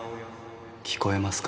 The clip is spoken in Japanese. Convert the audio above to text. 聞こえますか？